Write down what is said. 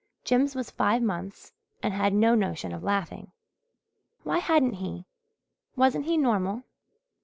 Jims was five months and had no notion of laughing. Why hadn't he? Wasn't he normal?